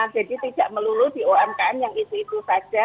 jadi tidak melulu di umkm yang itu itu saja